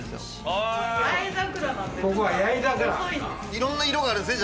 いろんな色があるんですね